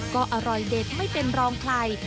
ก็อร่อยเด็ดไม่เป็นรองใคร